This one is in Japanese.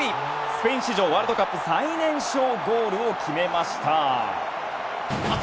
スペイン史上ワールドカップ最年少ゴールを決めました。